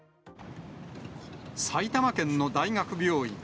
埼玉県の大学病院。